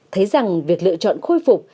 thấy rằng việc lựa chọn khôi phục